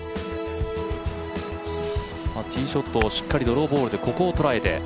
ティーショットをしっかりドローボールで、ここを捉えて。